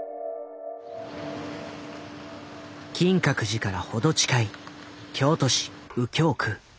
金閣寺から程近い京都市右京区。